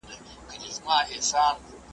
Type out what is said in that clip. د خور پوښتنه وکړئ او ډالۍ ور وړئ.